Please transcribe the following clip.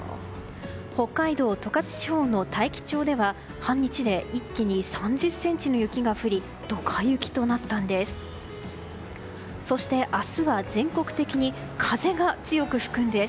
北海道十勝地方の大樹町では半日で一気に３０ｃｍの雪が降りドカ雪となったんです。